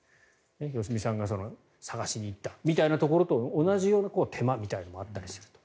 良純さんが探しに行ったみたいなところと同じような手間みたいなものもあったりすると。